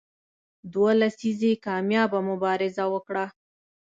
دوه لسیزې کامیابه مبارزه وکړه.